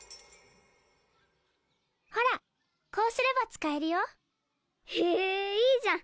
ほらこうすれば使えるよへえいいじゃん